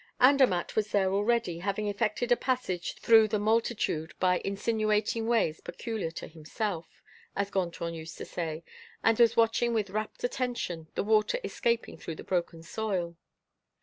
Andermatt was there already, having effected a passage through the multitude by insinuating ways peculiar to himself, as Gontran used to say, and was watching with rapt attention the water escaping through the broken soil.